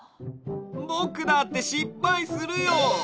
ぼくだってしっぱいするよ。